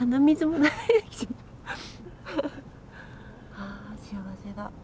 ああ幸せだ。